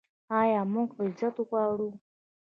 آیا موږ عزت غواړو؟